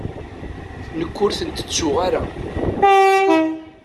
Nekk, ur ten-ttuɣ ara.